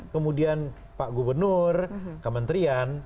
kemudian pak gubernur kementerian